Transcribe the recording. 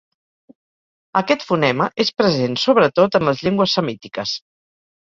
Aquest fonema és present sobretot en les llengües semítiques.